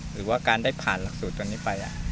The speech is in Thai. หรือว่าการได้ผ่านหลักสูตรตรงนี้ไป